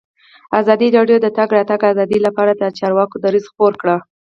ازادي راډیو د د تګ راتګ ازادي لپاره د چارواکو دریځ خپور کړی.